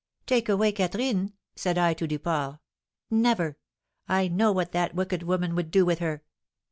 'Take away Catherine?' said I to Duport; 'Never! I know what that wicked woman would do with her.'